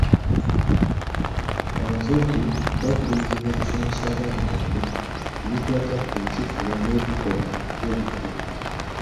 Abazadde bakubirizibwa okusomesa abaana baabwe ku bikwata ku kikula n'ebikolwa by'obufumbo.